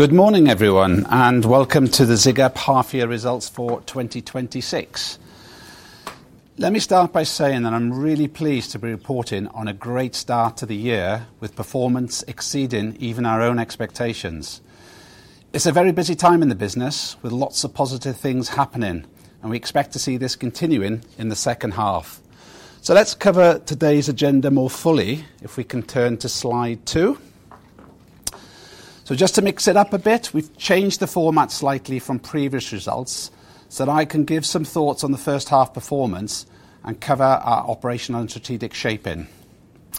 Good morning, everyone, and welcome to the ZIGUP half-year results for 2026. Let me start by saying that I'm really pleased to be reporting on a great start to the year, with performance exceeding even our own expectations. It's a very busy time in the business, with lots of positive things happening, and we expect to see this continuing in the second half. So let's cover today's agenda more fully if we can turn to slide two. So just to mix it up a bit, we've changed the format slightly from previous results so that I can give some thoughts on the first half performance and cover our operational and strategic shaping.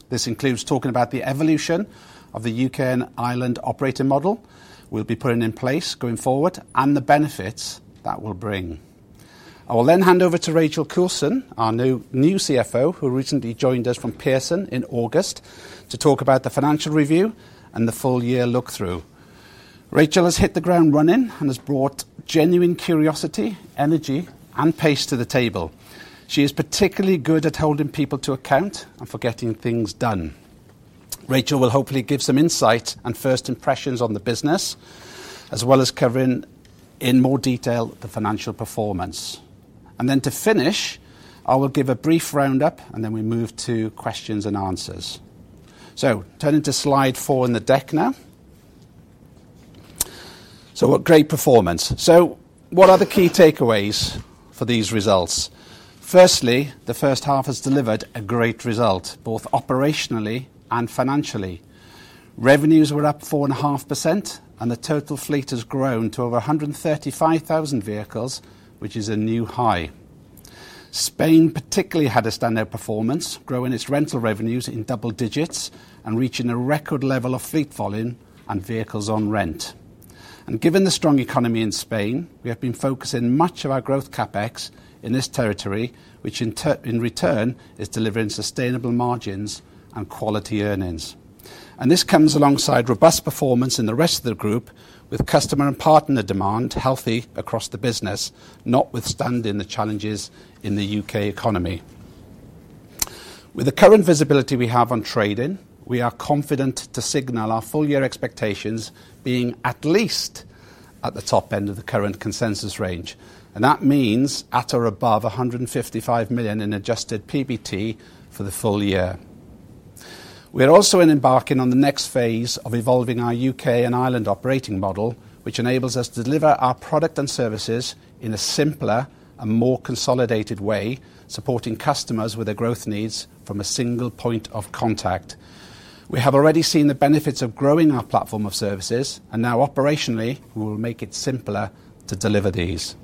This includes talking about the evolution of the U.K. and Ireland operating model we'll be putting in place going forward and the benefits that will bring. I will then hand over to Rachel Coulson, our new CFO, who recently joined us from Pearson PLC in August, to talk about the financial review and the full-year look-through. Rachel has hit the ground running and has brought genuine curiosity, energy, and pace to the table. She is particularly good at holding people to account and getting things done. Rachel will hopefully give some insight and first impressions on the business, as well as covering in more detail the financial performance. And then to finish, I will give a brief roundup, and then we move to questions and answers. Turning to slide four in the deck now. What great performance. What are the key takeaways for these results? Firstly, the first half has delivered a great result, both operationally and financially. Revenues were up 4.5%, and the total fleet has grown to over 135,000 vehicles, which is a new high. Spain particularly had a standout performance, growing its rental revenues in double digits and reaching a record level of fleet volume and vehicles on rent. And given the strong economy in Spain, we have been focusing much of our growth CapEx in this territory, which in return is delivering sustainable margins and quality earnings. And this comes alongside robust performance in the rest of the group, with customer and partner demand healthy across the business, notwithstanding the challenges in the U.K. economy. With the current visibility we have on trading, we are confident to signal our full-year expectations being at least at the top end of the current consensus range. And that means at or above 155 million in adjusted PBT for the full year. We are also embarking on the next phase of evolving our U.K. and Ireland operating model, which enables us to deliver our product and services in a simpler and more consolidated way, supporting customers with their growth needs from a single point of contact. We have already seen the benefits of growing our platform of services, and now operationally, we will make it simpler to deliver these.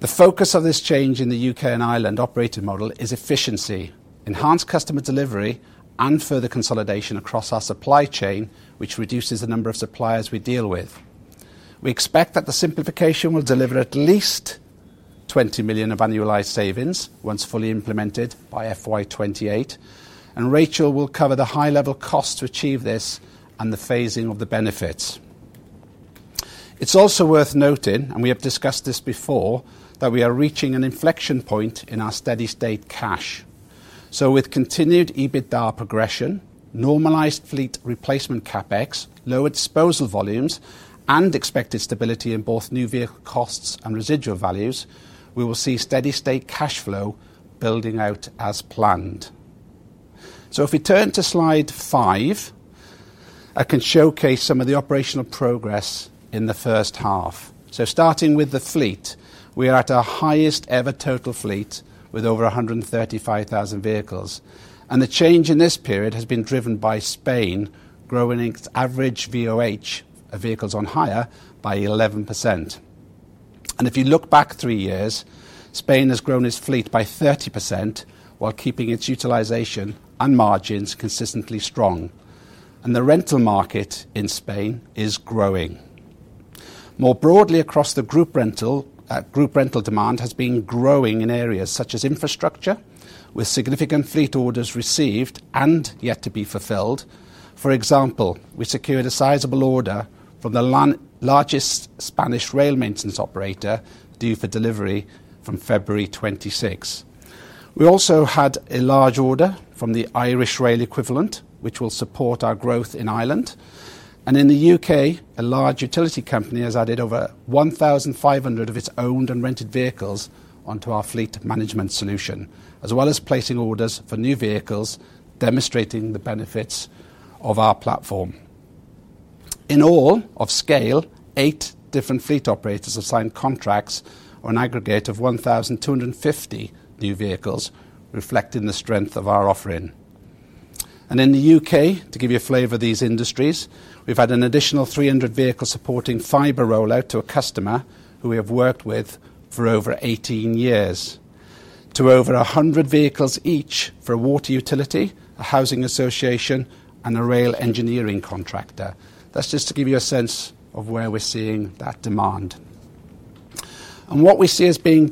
The focus of this change in the U.K. and Ireland operating model is efficiency, enhanced customer delivery, and further consolidation across our supply chain, which reduces the number of suppliers we deal with. We expect that the simplification will deliver at least £20 million of annualized savings once fully implemented by FY28, and Rachel will cover the high-level costs to achieve this and the phasing of the benefits. It's also worth noting, and we have discussed this before, that we are reaching an inflection point in our steady-state cash. So with continued EBITDA progression, normalized fleet replacement CapEx, lower disposal volumes, and expected stability in both new vehicle costs and residual values, we will see steady-state cash flow building out as planned. So if we turn to slide five, I can showcase some of the operational progress in the first half. So starting with the fleet, we are at our highest-ever total fleet with over 135,000 vehicles. And the change in this period has been driven by Spain growing its average VOH of vehicles on hire by 11%. And if you look back three years, Spain has grown its fleet by 30% while keeping its utilization and margins consistently strong. And the rental market in Spain is growing. More broadly, across the group, rental demand has been growing in areas such as Infrastructure, with significant fleet orders received and yet to be fulfilled. For example, we secured a sizable order from the largest Spanish Rail Maintenance operator due for delivery from February 2026. We also had a large order from the Irish rail equivalent, which will support our growth in Ireland. And in the U.K., a large utility company has added over 1,500 of its owned and rented vehicles onto our fleet management solution, as well as placing orders for new vehicles demonstrating the benefits of our platform. In all of scale, eight different fleet operators have signed contracts on an aggregate of 1,250 new vehicles, reflecting the strength of our offering. And in the U.K., to give you a flavor of these industries, we've had an additional 300 vehicles supporting fiber rollout to a customer who we have worked with for over 18 years, to over 100 vehicles each for a water utility, a housing association, and a rail engineering contractor. That's just to give you a sense of where we're seeing that demand. And what we see as being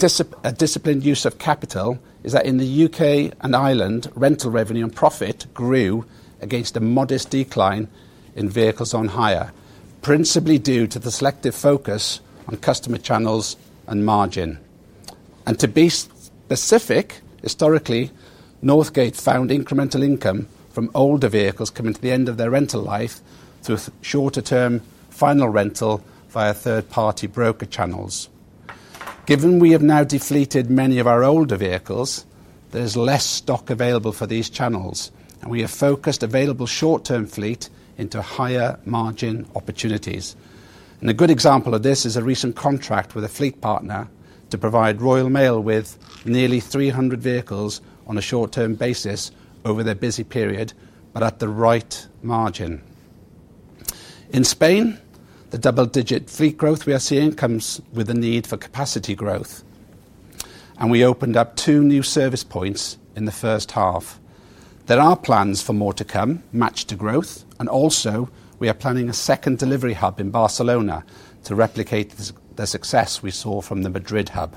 a disciplined use of capital is that in the U.K. and Ireland, rental revenue and profit grew against a modest decline in vehicles on hire, principally due to the selective focus on customer channels and margin. And to be specific, historically, Northgate found incremental income from older vehicles coming to the end of their rental life through shorter-term final rental via third-party broker channels. Given we have now de-fleeted many of our older vehicles, there's less stock available for these channels, and we have focused available short-term fleet into higher margin opportunities, and a good example of this is a recent contract with a fleet partner to provide Royal Mail with nearly 300 vehicles on a short-term basis over their busy period, but at the right margin. In Spain, the double-digit fleet growth we are seeing comes with a need for capacity growth, and we opened up two new service points in the first half. There are plans for more to come matched to growth, and also, we are planning a second delivery hub in Barcelona to replicate the success we saw from the Madrid hub.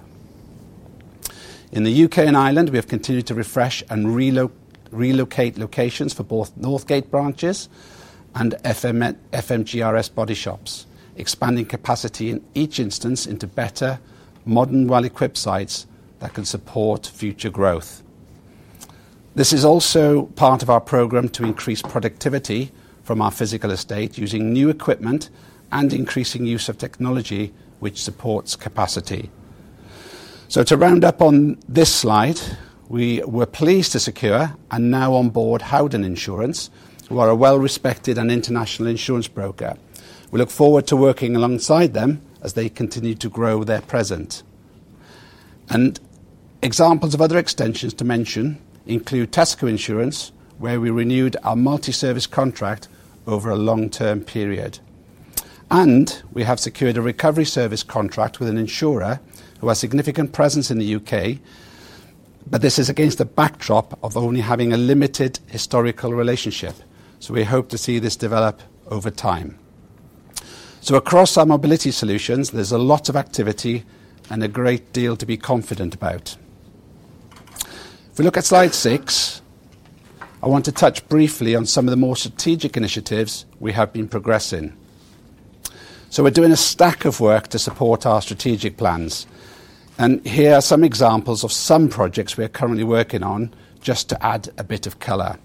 In the U.K. and Ireland, we have continued to refresh and relocate locations for both Northgate branches and FMG RS body shops, expanding capacity in each instance into better modern well-equipped sites that can support future growth. This is also part of our program to increase productivity from our physical estate using new equipment and increasing use of technology which supports capacity. So to round up on this slide, we were pleased to secure and now onboard Howden Insurance, who are a well-respected and international insurance broker. We look forward to working alongside them as they continue to grow their presence. Examples of other extensions to mention include Tesco Insurance, where we renewed our multi-service contract over a long-term period. We have secured a recovery service contract with an insurer who has a significant presence in the U.K., but this is against the backdrop of only having a limited historical relationship. We hope to see this develop over time. Across our Mobility Solutions, there's a lot of activity and a great deal to be confident about. If we look at slide six, I want to touch briefly on some of the more strategic initiatives we have been progressing. We're doing a stack of work to support our strategic plans. Here are some examples of some projects we are currently working on just to add a bit of color.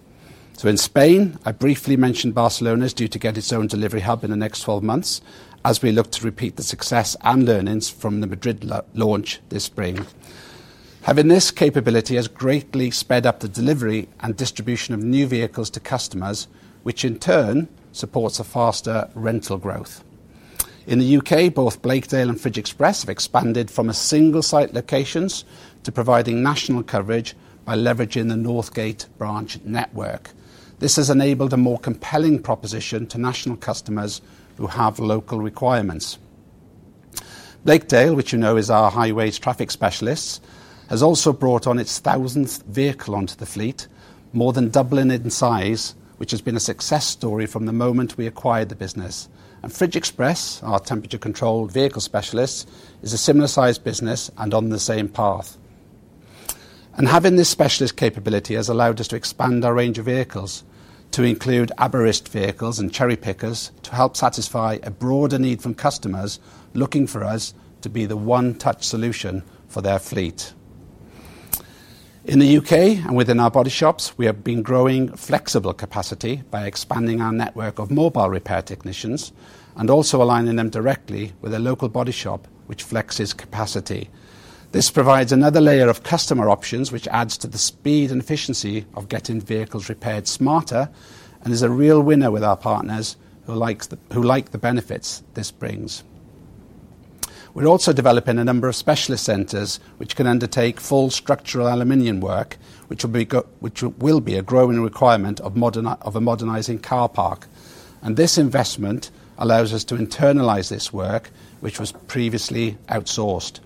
In Spain, I briefly mentioned, Barcelona is due to get its own delivery hub in the next 12 months as we look to repeat the success and earnings from the Madrid launch this spring. Having this capability has greatly sped up the delivery and distribution of new vehicles to customers, which in turn supports a faster rental growth. In the U.K., both Blakedale and FridgeXpress have expanded from single-site locations to providing national coverage by leveraging the Northgate branch network. This has enabled a more compelling proposition to national customers who have local requirements. Blakedale, which you know is our highways traffic specialists, has also brought on its thousandth vehicle onto the fleet, more than doubling in size, which has been a success story from the moment we acquired the business, and FridgeXpress, our temperature-controlled vehicle specialist, is a similar-sized business and on the same path. Having this specialist capability has allowed us to expand our range of vehicles to include arborists vehicles and cherry pickers to help satisfy a broader need from customers looking for us to be the one-touch solution for their fleet. In the U.K. and within our body shops, we have been growing flexible capacity by expanding our network of mobile repair technicians and also aligning them directly with a local body shop which flexes capacity. This provides another layer of customer options, which adds to the speed and efficiency of getting vehicles repaired smarter and is a real winner with our partners who like the benefits this brings. We're also developing a number of specialist centers which can undertake full structural aluminum work, which will be a growing requirement of a modernizing car park. This investment allows us to internalize this work, which was previously outsourced.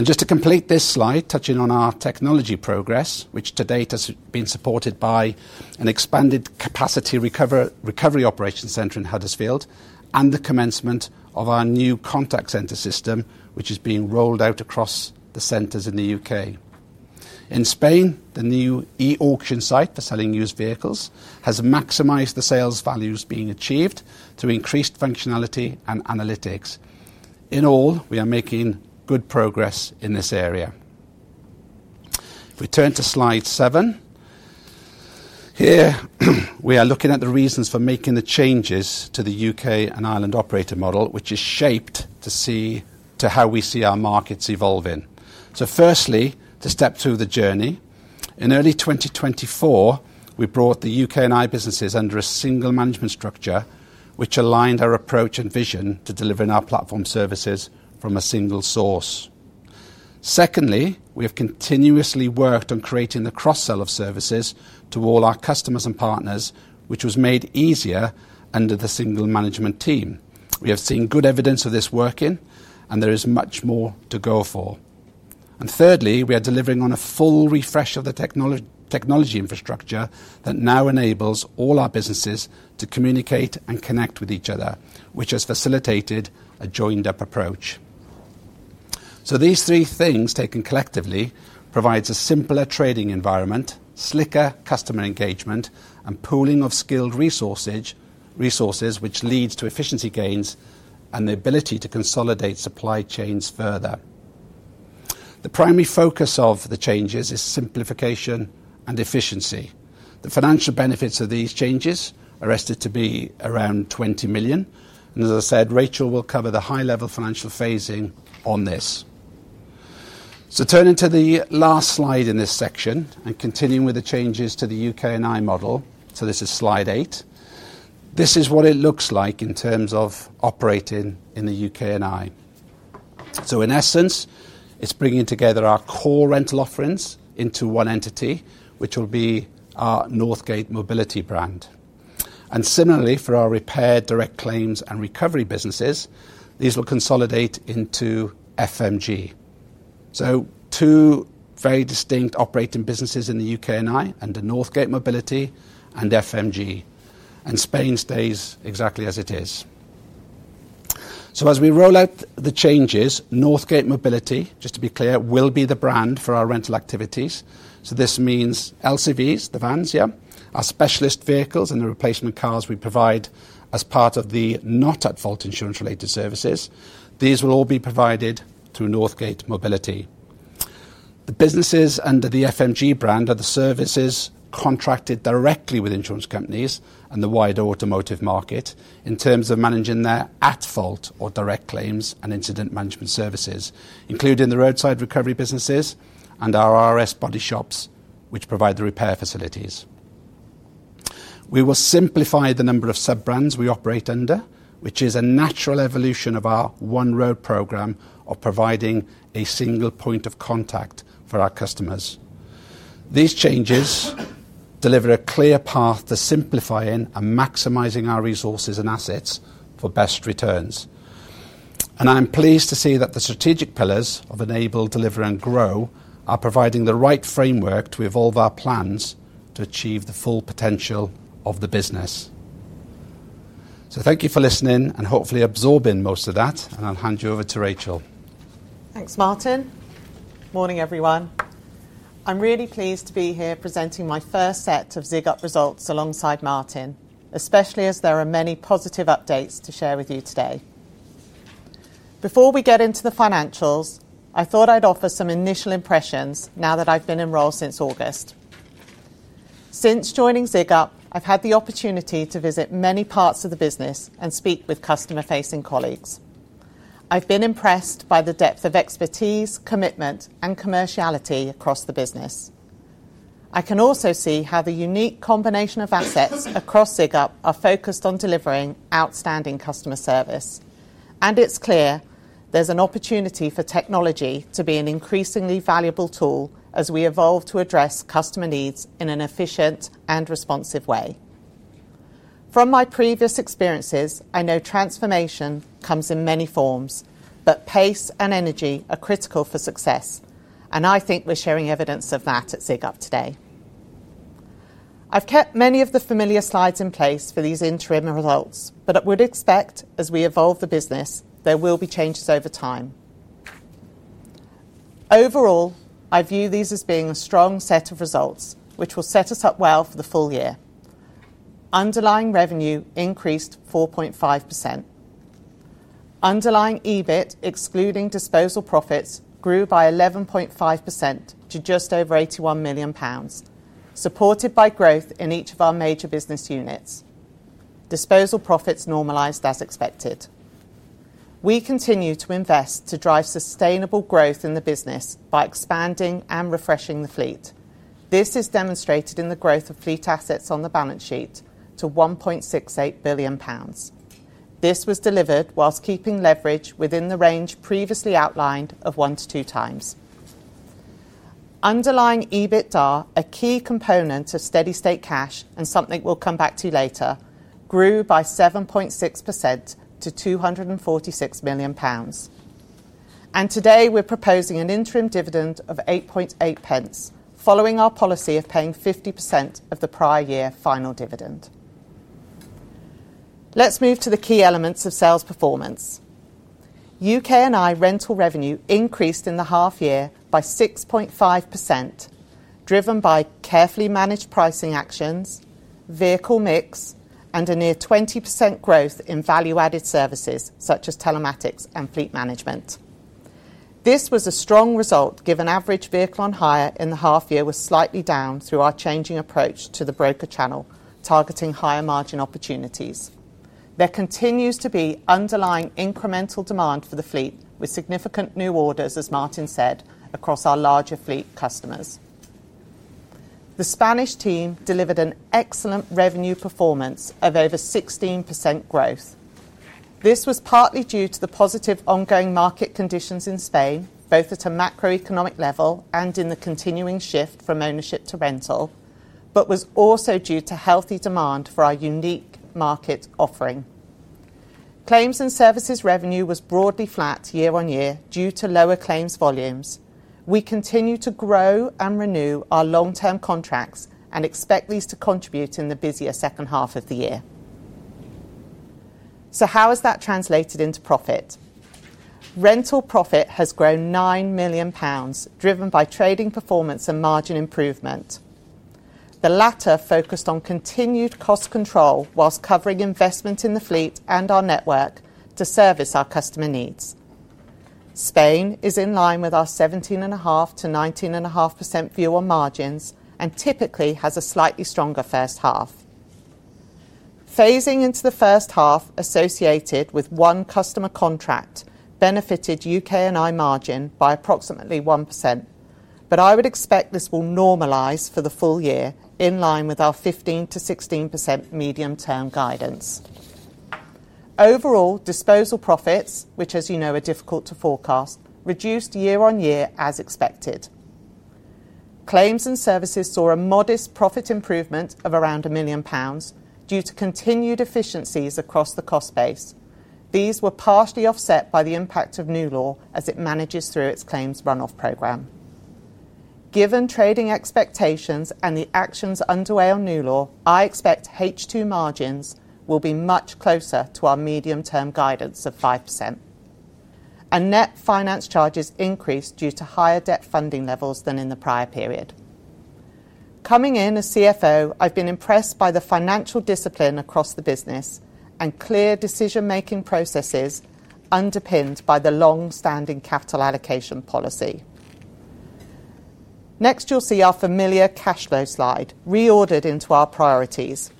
Just to complete this slide, touching on our technology progress, which to date has been supported by an expanded capacity recovery operations center in Huddersfield and the commencement of our new Contact Center System, which is being rolled out across the centers in the U.K. In Spain, the new eAuction site for selling used vehicles has maximized the sales values being achieved through increased functionality and analytics. In all, we are making good progress in this area. If we turn to slide seven, here we are looking at the reasons for making the changes to the U.K. and Ireland operator model, which is shaped to how we see our markets evolving. Firstly, to step through the journey, in early 2024, we brought the U.K. and Irish businesses under a single management structure, which aligned our approach and vision to delivering our platform services from a single source. Secondly, we have continuously worked on creating the cross-sell of services to all our customers and partners, which was made easier under the single management team. We have seen good evidence of this working, and there is much more to go for. And thirdly, we are delivering on a full refresh of the technology infrastructure that now enables all our businesses to communicate and connect with each other, which has facilitated a joined-up approach. So these three things taken collectively provide a simpler trading environment, slicker customer engagement, and pooling of skilled resources, which leads to efficiency gains and the ability to consolidate supply chains further. The primary focus of the changes is simplification and efficiency. The financial benefits of these changes are estimated to be around 20 million. And as I said, Rachel will cover the high-level financial phasing on this. Turning to the last slide in this section and continuing with the changes to the U.K. and Ireland model, so this is slide eight. This is what it looks like in terms of operating in the U.K. and Ireland. In essence, it's bringing together our core rental offerings into one entity, which will be our Northgate Mobility brand. Similarly, for our Repair, Direct Claims, and Recovery Businesses, these will consolidate into FMG. Two very distinct operating businesses in the U.K. and Ireland, the Northgate Mobility and FMG. Spain stays exactly as it is. As we roll out the changes, Northgate Mobility, just to be clear, will be the brand for our rental activities. This means LCVs, the vans, yeah, our specialist vehicles and the replacement cars we provide as part of the not-at-fault insurance-related services. These will all be provided through Northgate Mobility. The businesses under the FMG brand are the services contracted directly with insurance companies and the wider automotive market in terms of managing their at-fault or direct claims and incident management services, including the roadside recovery businesses and our RS body shops, which provide the repair facilities. We will simplify the number of sub-brands we operate under, which is a natural evolution of our one-road program of providing a single point of contact for our customers. These changes deliver a clear path to simplifying and maximizing our resources and assets for best returns. And I'm pleased to see that the strategic pillars of enable, deliver, and grow are providing the right framework to evolve our plans to achieve the full potential of the business. So thank you for listening and hopefully absorbing most of that, and I'll hand you over to Rachel. Thanks, Martin. Morning, everyone. I'm really pleased to be here presenting my first set of ZIGUP results alongside Martin, especially as there are many positive updates to share with you today. Before we get into the financials, I thought I'd offer some initial impressions now that I've been in role since August. Since joining ZIGUP, I've had the opportunity to visit many parts of the business and speak with customer-facing colleagues. I've been impressed by the depth of expertise, commitment, and commerciality across the business. I can also see how the unique combination of assets across ZIGUP are focused on delivering outstanding customer service, and it's clear there's an opportunity for technology to be an increasingly valuable tool as we evolve to address customer needs in an efficient and responsive way. From my previous experiences, I know transformation comes in many forms, but pace and energy are critical for success, and I think we're sharing evidence of that at ZIGUP today. I've kept many of the familiar slides in place for these interim results, but I would expect as we evolve the business, there will be changes over time. Overall, I view these as being a strong set of results, which will set us up well for the full year. Underlying revenue increased 4.5%. Underlying EBIT, excluding disposal profits, grew by 11.5% to just over £81 million, supported by growth in each of our major business units. Disposal profits normalized as expected. We continue to invest to drive sustainable growth in the business by expanding and refreshing the fleet. This is demonstrated in the growth of fleet assets on the balance sheet to £1.68 billion. This was delivered whilst keeping leverage within the range previously outlined of one to two times. Underlying EBITDA, a key component of steady state cash and something we'll come back to later, grew by 7.6% to 246 million pounds. And today, we're proposing an interim dividend of 0.088, following our policy of paying 50% of the prior year final dividend. Let's move to the key elements of sales performance. U.K. and Ireland rental revenue increased in the half year by 6.5%, driven by carefully managed pricing actions, vehicle mix, and a near 20% growth in value-added services such as Telematics and Fleet Management. This was a strong result given average vehicle on hire in the half year was slightly down through our changing approach to the broker channel, targeting higher margin opportunities. There continues to be underlying incremental demand for the fleet, with significant new orders, as Martin said, across our larger fleet customers. The Spanish team delivered an excellent revenue performance of over 16% growth. This was partly due to the positive ongoing market conditions in Spain, both at a macroeconomic level and in the continuing shift from ownership to rental, but was also due to healthy demand for our unique market offering. Claims and services revenue was broadly flat year on year due to lower claims volumes. We continue to grow and renew our long-term contracts and expect these to contribute in the busier second half of the year. So how has that translated into profit? Rental profit has grown nine million pounds, driven by trading performance and margin improvement. The latter focused on continued cost control whilst covering investment in the fleet and our network to service our customer needs. Spain is in line with our 17.5%-19.5% view on margins and typically has a slightly stronger first half. Phasing into the first half associated with one customer contract benefited U.K. and Ireland margin by approximately 1%, but I would expect this will normalize for the full year in line with our 15%-16% medium-term guidance. Overall, disposal profits, which as you know are difficult to forecast, reduced year on year as expected. Claims and services saw a modest profit improvement of around one million pounds due to continued efficiencies across the cost base. These were partially offset by the impact of NewLaw as it manages through its claims runoff program. Given trading expectations and the actions underway on NewLaw, I expect H2 margins will be much closer to our medium-term guidance of 5%. Net finance charges increased due to higher debt funding levels than in the prior period. Coming in as CFO, I've been impressed by the financial discipline across the business and clear decision-making processes underpinned by the long-standing capital allocation policy. Next, you'll see our familiar cash flow slide reordered into our priorities.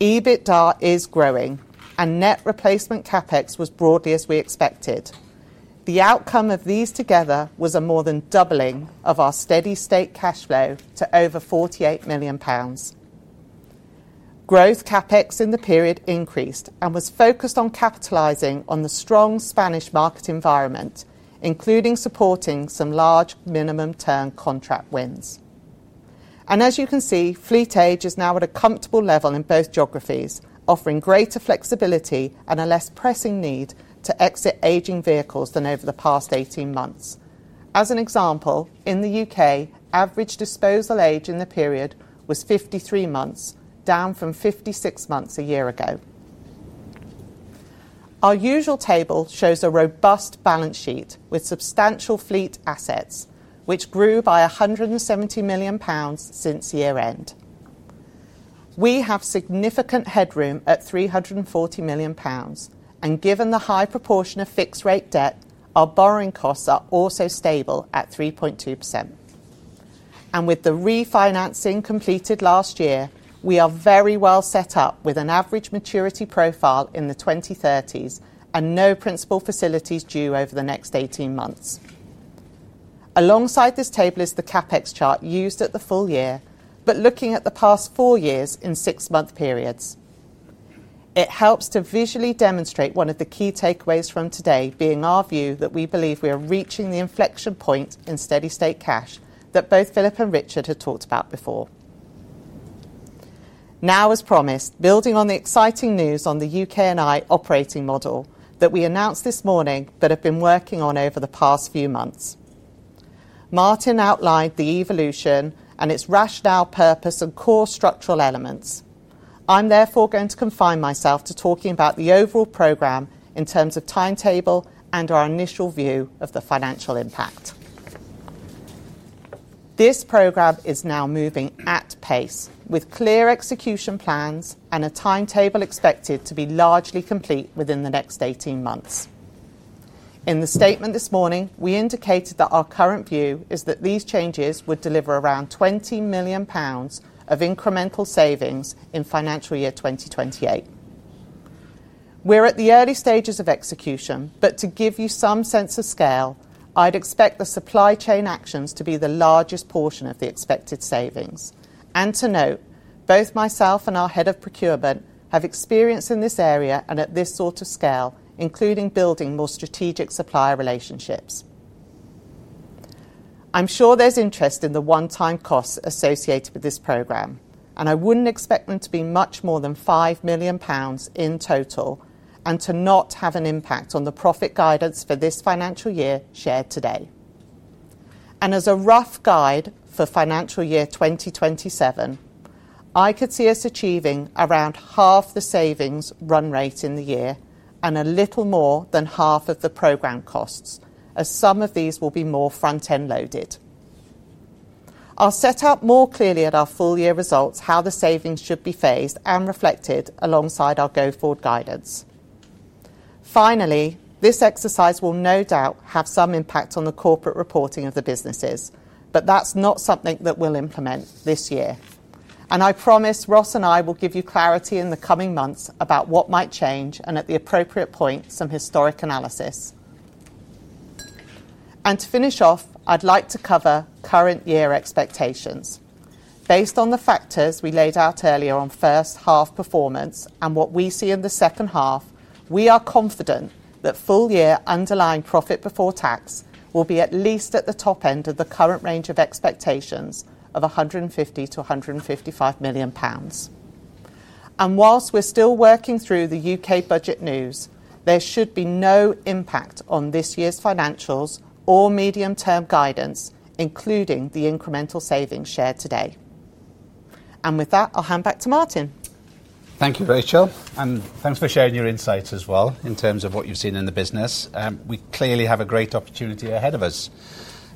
EBITDA is growing and net replacement CapEx was broadly as we expected. The outcome of these together was a more than doubling of our steady state cash flow to over 48 million pounds. Growth CapEx in the period increased and was focused on capitalizing on the strong Spanish market environment, including supporting some large minimum-term contract wins. As you can see, fleet age is now at a comfortable level in both geographies, offering greater flexibility and a less pressing need to exit aging vehicles than over the past 18 months. As an example, in the U.K., average disposal age in the period was 53 months, down from 56 months a year ago. Our usual table shows a robust balance sheet with substantial fleet assets, which grew by 170 million pounds since year-end. We have significant headroom at 340 million pounds and given the high proportion of fixed-rate debt, our borrowing costs are also stable at 3.2%. And with the refinancing completed last year, we are very well set up with an average maturity profile in the 2030s and no principal facilities due over the next 18 months. Alongside this table is the CapEx chart used at the full year, but looking at the past four years in six-month periods. It helps to visually demonstrate one of the key takeaways from today being our view that we believe we are reaching the inflection point in steady state cash that both Philip and Richard had talked about before. Now, as promised, building on the exciting news on the U.K. and Ireland operating model that we announced this morning but have been working on over the past few months. Martin outlined the evolution and its rationale, purpose, and core structural elements. I'm therefore going to confine myself to talking about the overall program in terms of timetable and our initial view of the financial impact. This program is now moving at pace with clear execution plans and a timetable expected to be largely complete within the next 18 months. In the statement this morning, we indicated that our current view is that these changes would deliver around 20 million pounds of incremental savings in financial year 2028. We're at the early stages of execution, but to give you some sense of scale, I'd expect the supply chain actions to be the largest portion of the expected savings. And to note, both myself and our head of procurement have experience in this area and at this sort of scale, including building more strategic supplier relationships. I'm sure there's interest in the one-time costs associated with this program, and I wouldn't expect them to be much more than 5 million pounds in total and to not have an impact on the profit guidance for this financial year shared today. And as a rough guide for financial year 2027, I could see us achieving around half the savings run rate in the year and a little more than half of the program costs, as some of these will be more front-end loaded. I'll set out more clearly at our full year results how the savings should be phased and reflected alongside our go-forward guidance. Finally, this exercise will no doubt have some impact on the corporate reporting of the businesses, but that's not something that we'll implement this year. And I promise Ross and I will give you clarity in the coming months about what might change and at the appropriate point, some historic analysis. And to finish off, I'd like to cover current year expectations. Based on the factors we laid out earlier on first half performance and what we see in the second half, we are confident that full year underlying profit before tax will be at least at the top end of the current range of expectations of 150 million-155 million pounds. While we're still working through the U.K. budget news, there should be no impact on this year's financials or medium-term guidance, including the incremental savings shared today. With that, I'll hand back to Martin. Thank you, Rachel, and thanks for sharing your insights as well in terms of what you've seen in the business. We clearly have a great opportunity ahead of us.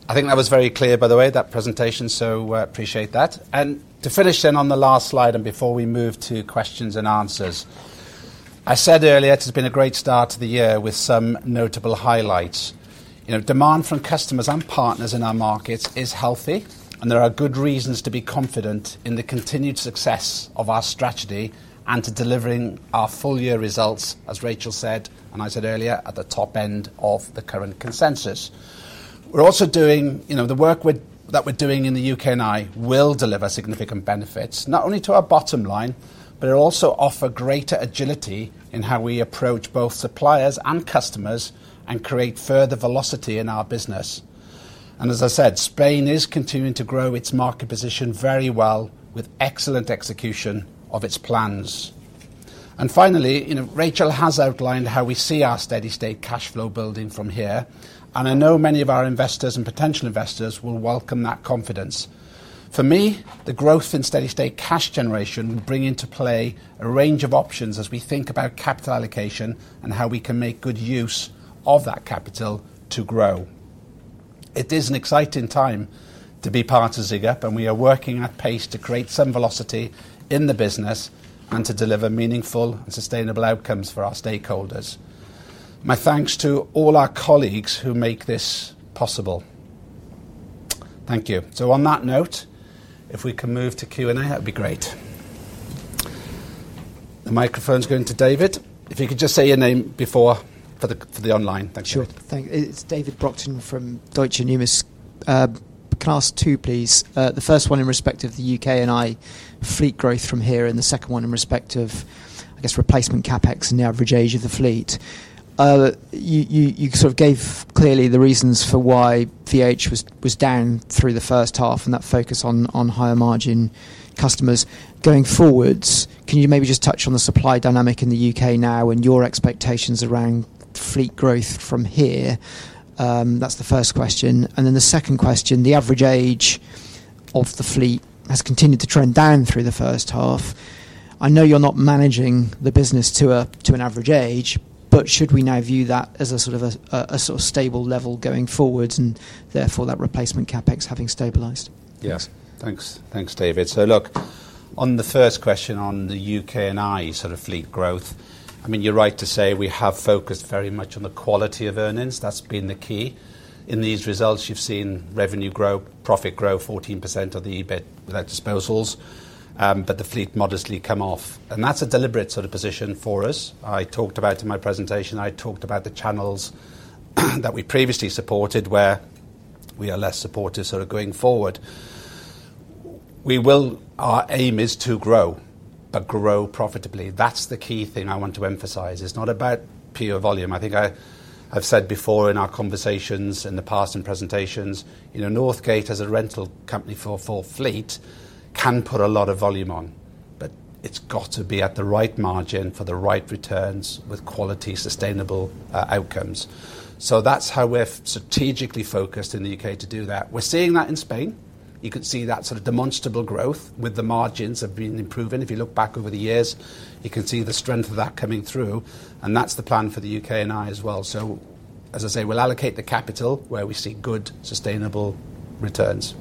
I think that was very clear, by the way, that presentation, so I appreciate that. And to finish then on the last slide and before we move to questions and answers, I said earlier it has been a great start to the year with some notable highlights. Demand from customers and partners in our markets is healthy, and there are good reasons to be confident in the continued success of our strategy and to delivering our full year results, as Rachel said, and I said earlier, at the top end of the current consensus. We're also doing the work that we're doing in the U.K. and Ireland will deliver significant benefits, not only to our bottom line, but it'll also offer greater agility in how we approach both suppliers and customers and create further velocity in our business. And as I said, Spain is continuing to grow its market position very well with excellent execution of its plans. And finally, Rachel has outlined how we see our steady state cash flow building from here, and I know many of our investors and potential investors will welcome that confidence. For me, the growth in steady state cash generation will bring into play a range of options as we think about capital allocation and how we can make good use of that capital to grow. It is an exciting time to be part of ZIGUP, and we are working at pace to create some velocity in the business and to deliver meaningful and sustainable outcomes for our stakeholders. My thanks to all our colleagues who make this possible. Thank you. So on that note, if we can move to Q&A, that would be great. The microphone's going to David. If you could just say your name before, for the online, thanks. Sure. Thanks. It's David Brockton from Deutsche Numis. Can i ask two, please. The first one in respect of the U.K. and Ireland fleet growth from here, and the second one in respect of, I guess, replacement CapEx in the average age of the fleet. You sort of gave clearly the reasons for why VOH was down through the first half and that focus on higher margin customers. Going forwards, can you maybe just touch on the supply dynamic in the U.K. now and your expectations around fleet growth from here? That's the first question. And then the second question, the average age of the fleet has continued to trend down through the first half. I know you're not managing the business to an average age, but should we now view that as a sort of a stable level going forwards and therefore that replacement CapEx having stabilized? Yes. Thanks, David.So look, on the first question on the U.K. and Ireland sort of fleet growth, I mean, you're right to say we have focused very much on the quality of earnings. That's been the key. In these results, you've seen revenue grow, profit grow 14% of the EBITDA disposals, but the fleet modestly come off. And that's a deliberate sort of position for us. I talked about in my presentation, I talked about the channels that we previously supported where we are less supportive sort of going forward. Our aim is to grow, but grow profitably. That's the key thing I want to emphasize. It's not about pure volume. I think I've said before in our conversations in the past and presentations, Northgate as a rental company for Fleet can put a lot of volume on, but it's got to be at the right margin for the right returns with quality, sustainable outcomes. So that's how we're strategically focused in the U.K. to do that. We're seeing that in Spain. You can see that sort of demonstrable growth with the margins have been improving. If you look back over the years, you can see the strength of that coming through. And that's the plan for the U.K. and Ireland as well. So as I say, we'll allocate the capital where we see good sustainable returns.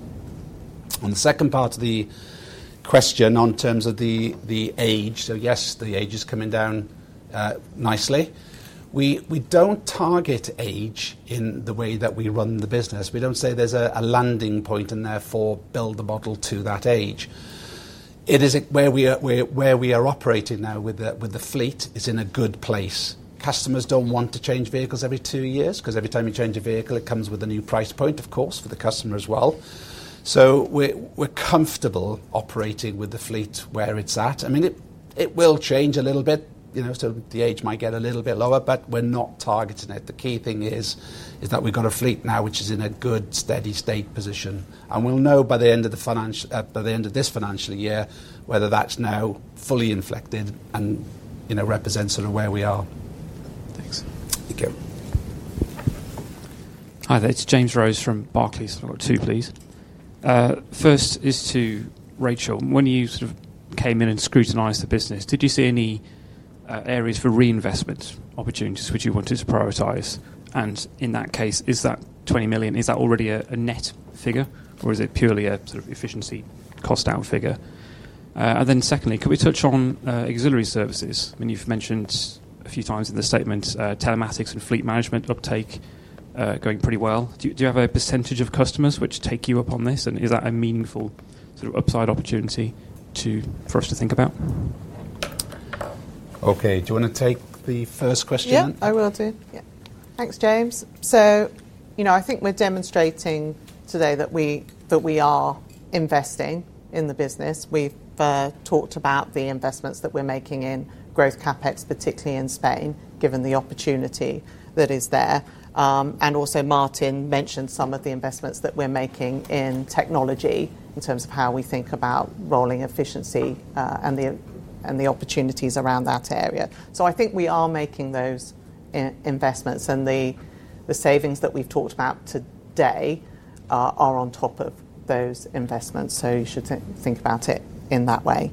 On the second part of the question on terms of the age, so yes, the age is coming down nicely. We don't target age in the way that we run the business. We don't say there's a landing point and therefore build a model to that age. It is where we are operating now with the fleet is in a good place. Customers don't want to change vehicles every two years because every time you change a vehicle, it comes with a new price point, of course, for the customer as well. So we're comfortable operating with the fleet where it's at. I mean, it will change a little bit. So the age might get a little bit lower, but we're not targeting it. The key thing is that we've got a fleet now which is in a good steady state position. And we'll know by the end of this financial year whether that's now fully inflected and represents sort of where we are. Thanks. Thank you. Hi, it's James Rose from Barclays. I've got two, please. First is to Rachel. When you sort of came in and scrutinised the business, did you see any areas for reinvestment opportunities which you wanted to prioritise? And in that case, is that £20 million, is that already a Net figure or is it purely a sort of efficiency cost down figure? And then secondly, could we touch on auxiliary services? I mean, you've mentioned a few times in the statement telematics and fleet management uptake going pretty well. Do you have a percentage of customers which take you up on this? And is that a meaningful sort of upside opportunity for us to think about? Okay. Do you want to take the first question? Yeah, I will do. Yeah. Thanks, James. So I think we're demonstrating today that we are investing in the business. We've talked about the investments that we're making in growth CapEx, particularly in Spain, given the opportunity that is there, and also Martin mentioned some of the investments that we're making in technology in terms of how we think about rolling efficiency and the opportunities around that area, so I think we are making those investments and the savings that we've talked about today are on top of those investments, so you should think about it in that way.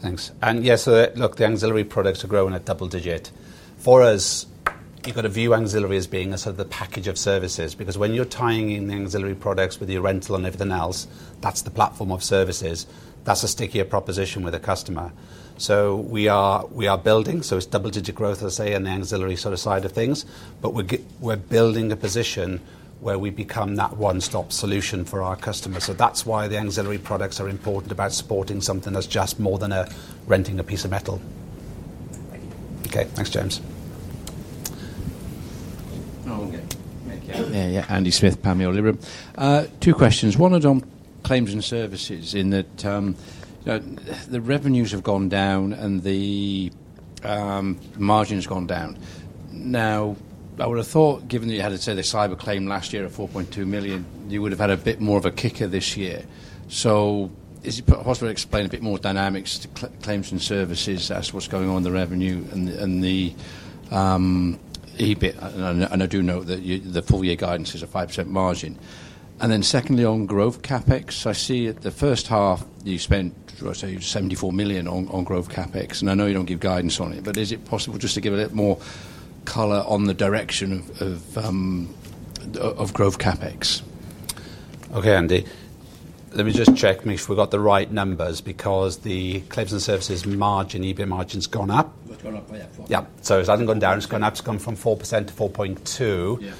Thanks, and yes, look, the auxiliary products are growing at double-digit. For us, you've got to view auxiliary as being a sort of the package of services because when you're tying in the auxiliary products with your rental and everything else, that's the platform of services. That's a stickier proposition with a customer. So we are building, so it's double digit growth, as I say, on the auxiliary sort of side of things, but we're building a position where we become that one-stop solution for our customers. So that's why the auxiliary products are important about supporting something that's just more than renting a piece of metal. Okay. Thanks, James. Yeah, yeah, Andy Smith, Panmure Liberum. Two questions. One on claims and services in that the revenues have gone down and the margin has gone down. Now, I would have thought, given that you had, say, the cyber claim last year at 4.2 million, you would have had a bit more of a kicker this year. So is it possible to explain a bit more dynamics to claims and services as to what's going on with the revenue and the EBIT? I do note that the full year guidance is a 5% margin. And then secondly, on growth CapEx, I see the first half you spent, I'd say, 74 million on growth CapEx. And I know you don't give guidance on it, but is it possible just to give a bit more color on the direction of growth CapEx? Okay, Andy. Let me just check, make sure we've got the right numbers because the claims and services margin, EBIT margin's gone up. It's gone up by 4%. Yeah. So it hasn't gone down. It's gone up. It's gone from 4% to 4.2%.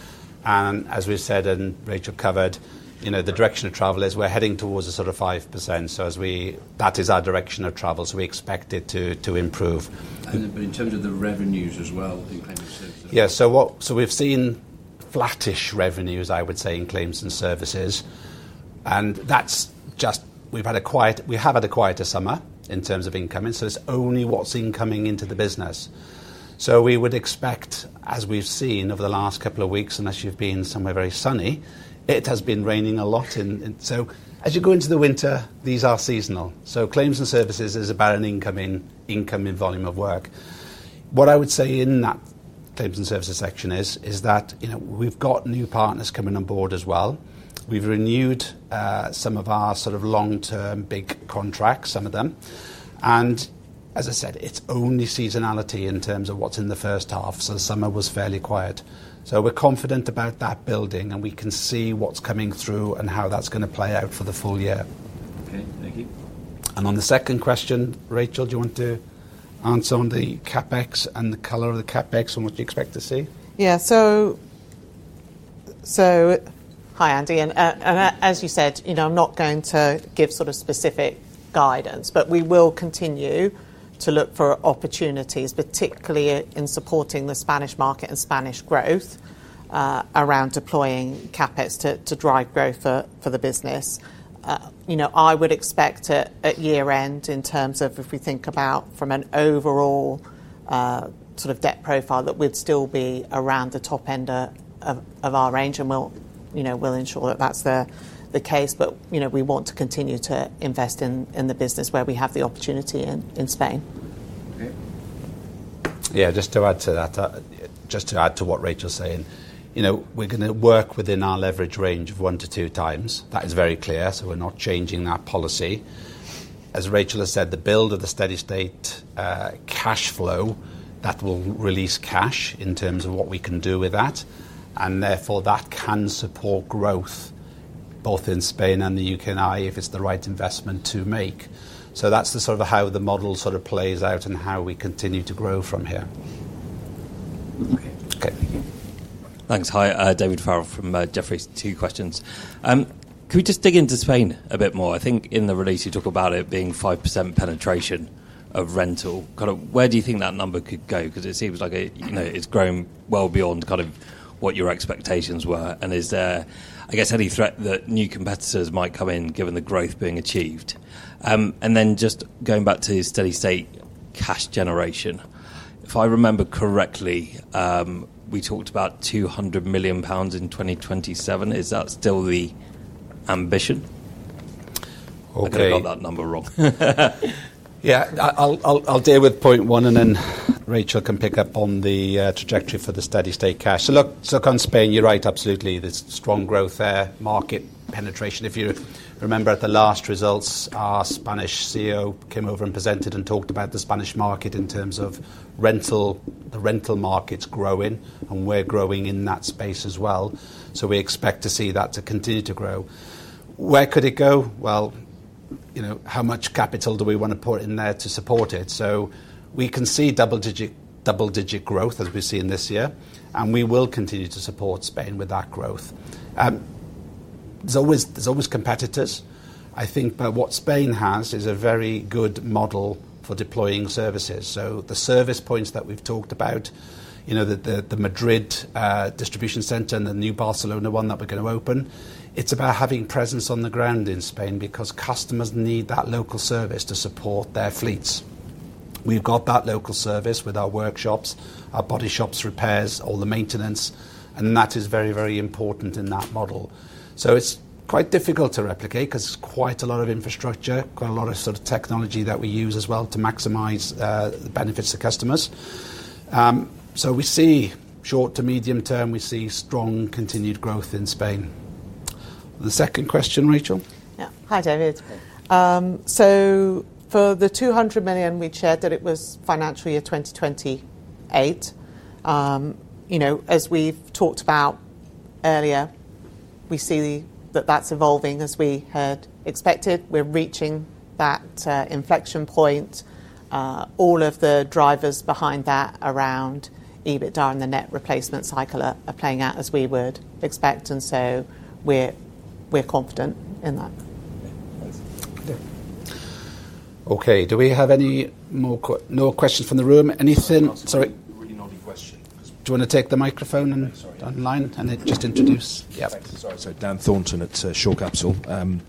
And as we said, and Rachel covered, the direction of travel is we're heading towards a sort of 5%. So that is our direction of travel. So we expect it to improve. But in terms of the revenues as well, in Claims and Services. Yeah.So we've seen flattish revenues, I would say, in claims and services. And we've had a quieter summer in terms of incoming. So it's only what's incoming into the business. So we would expect, as we've seen over the last couple of weeks, unless you've been somewhere very sunny, it has been raining a lot. So as you go into the winter, these are seasonal. So claims and services is about an incoming volume of work. What I would say in that claims and services section is that we've got new partners coming on board as well. We've renewed some of our sort of long-term big contracts, some of them. And as I said, it's only seasonality in terms of what's in the first half. So summer was fairly quiet. So we're confident about that building, and we can see what's coming through and how that's going to play out for the full year. Okay. Thank you. And on the second question, Rachel, do you want to answer on the CapEx and the color of the CapEx and what you expect to see? Yeah. So hi, Andy. And as you said, I'm not going to give sort of specific guidance, but we will continue to look for opportunities, particularly in supporting the Spanish market and Spanish growth around deploying CapEx to drive growth for the business. I would expect at year-end in terms of if we think about from an overall sort of debt profile that we'd still be around the top end of our range, and we'll ensure that that's the case. But we want to continue to invest in the business where we have the opportunity in Spain. Okay. Yeah. Just to add to that, just to add to what Rachel's saying, we're going to work within our leverage range of one to two times. That is very clear. So we're not changing that policy. As Rachel has said, the build of the steady-state cash flow, that will release cash in terms of what we can do with that. And therefore, that can support growth both in Spain and the U.K. and Ireland if it's the right investment to make. So that's sort of how the model sort of plays out and how we continue to grow from here. Okay. Thanks. Hi, David Farrell from Jefferies. Two questions. Could we just dig into Spain a bit more? I think in the release, you talk about it being 5% penetration of rental. Kind of where do you think that number could go? Because it seems like it's grown well beyond kind of what your expectations were. And is there, I guess, any threat that new competitors might come in given the growth being achieved? And then just going back to steady state cash generation, if I remember correctly, we talked about 200 million pounds in 2027. Is that still the ambition? Hope I got that number wrong. Yeah. I'll deal with point one, and then Rachel can pick up on the trajectory for the steady state cash. So look, so on Spain, you're right, absolutely. There's strong growth there, market penetration. If you remember at the last results, our Spanish CEO came over and presented and talked about the Spanish market in terms of the rental markets growing, and we're growing in that space as well. So we expect to see that to continue to grow. Where could it go? How much capital do we want to put in there to support it? We can see double-digit growth as we've seen this year, and we will continue to support Spain with that growth. There's always competitors. I think what Spain has is a very good model for deploying services. The service points that we've talked about, the Madrid distribution center and the new Barcelona one that we're going to open, it's about having presence on the ground in Spain because customers need that local service to support their fleets. We've got that local service with our workshops, our body shops, repairs, all the maintenance, and that is very, very important in that model. It's quite difficult to replicate because it's quite a lot of infrastructure, quite a lot of sort of technology that we use as well to maximize the benefits to customers. So we see short to medium term, we see strong continued growth in Spain. The second question, Rachel? Yeah. Hi, David. So for the 200 million we'd shared that it was financial year 2028, as we've talked about earlier, we see that that's evolving as we had expected. We're reaching that inflection point. All of the drivers behind that around EBITDA and the net replacement cycle are playing out as we would expect. And so we're confident in that. Okay. Do we have any more questions from the room? Anything? Sorry. Really one question. Do you want to take the microphone and online and then just introduce? Yeah. Sorry. So Dan Thornton at Shore Capital.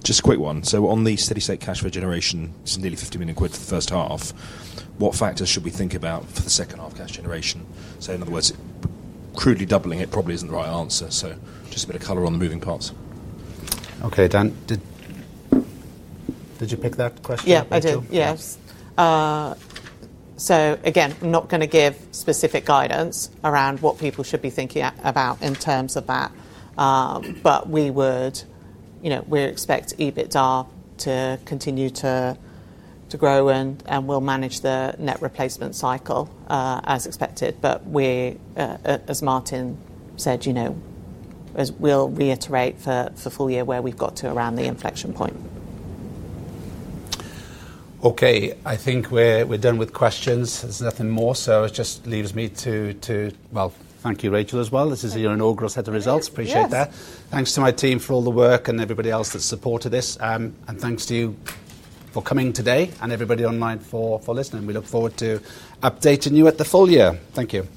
Just a quick one. So on the steady-state cash generation, it's nearly 50 million quid for the first half. What factors should we think about for the second half cash generation? So in other words, crudely doubling it probably isn't the right answer. So just a bit of color on the moving parts. Okay, Dan. Did you pick that question? Yeah, I did. Yes. So again, I'm not going to give specific guidance around what people should be thinking about in terms of that. But we would, we expect EBITDA to continue to grow, and we'll manage the net replacement cycle as expected. But as Martin said, we'll reiterate for full year where we've got to around the inflection point. Okay. I think we're done with questions. There's nothing more. So it just leaves me to, well, thank you, Rachel, as well. This is your inaugural set of results. Appreciate that. Thanks to my team for all the work and everybody else that supported this. And thanks to you for coming today and everybody online for listening. We look forward to updating you at the full year. Thank you.